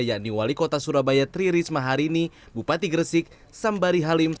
yakni wali kota surabaya tri risma harini bupati gresik sambari halim